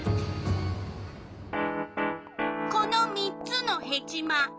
この３つのヘチマ。